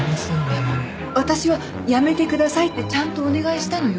私は「やめてください」ってちゃんとお願いしたのよ。